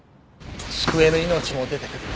救えぬ命も出てくる。